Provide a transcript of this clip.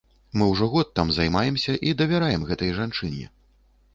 Мы ўжо год там займаемся і давяраем гэтай жанчыне.